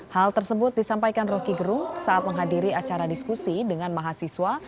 hal tersebut disampaikan roky gerung saat menghadiri acara diskusi dengan mahasiswa